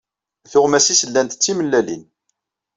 Tuɣmas-nnes llant d timellalin.